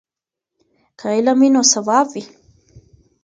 که علم وي نو ثواب وي.